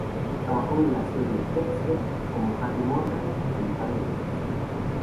Trabajó en la serie "Dexter" como Harry Morgan, el padre de Dexter.